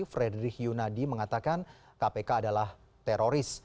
fredrik yunadi mengatakan kpk adalah teroris